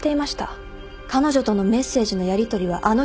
彼女とのメッセージのやりとりはあの日です。